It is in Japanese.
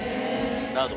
なるほど。